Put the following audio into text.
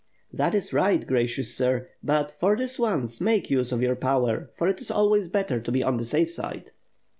"That is right, gracious sir; but, for this once, make use of your power, for it is always better to be on the safe side."